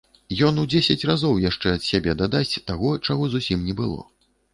Ён у дзесяць разоў яшчэ ад сябе дадасць таго, чаго зусім не было.